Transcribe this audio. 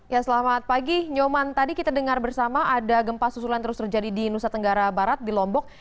ya selamat pagi nyoman tadi kita dengar bersama ada gempa susulan terus terjadi di nusa tenggara barat di lombok